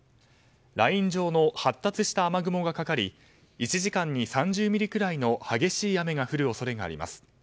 ライン上の発達した雨雲がかかり１時間に３０ミリくらいの激しい雨が降る恐れがあります。